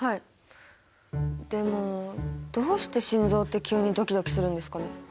でもどうして心臓って急にドキドキするんですかね？